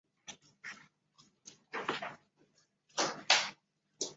福井县坂井郡三国町出身。